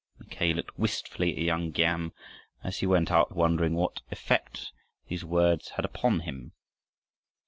Mackay looked wistfully at young Giam as he went out, wondering what effect these words had upon him.